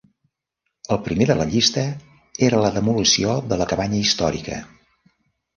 El primer de la llista era la demolició de la cabanya històrica.